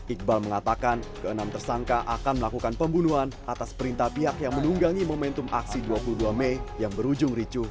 iqbal mengatakan keenam tersangka akan melakukan pembunuhan atas perintah pihak yang menunggangi momentum aksi dua puluh dua mei yang berujung ricu